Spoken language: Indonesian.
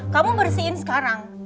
kamu bersihin sekarang